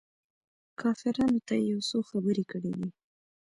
کافرانو ته يې يو څو خبرې کړي دي.